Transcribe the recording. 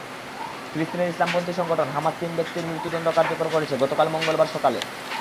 ফিলিস্তিনের ইসলামপন্থী সংগঠন হামাস তিন ব্যক্তির মৃত্যুদণ্ড কার্যকর করেছে গতকাল মঙ্গলবার সকালে।